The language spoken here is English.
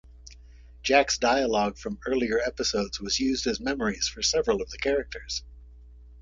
Jack's dialogue from earlier episodes was used as memories for several of the characters.